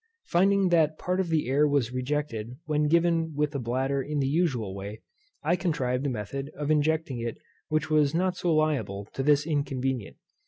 Finding that part of the air was rejected when given with a bladder in the usual way, I contrived a method of injecting it which was not so liable to this inconvenience.